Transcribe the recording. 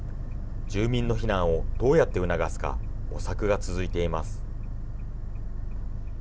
住民の避難をどうやって促すか、模索が続いています。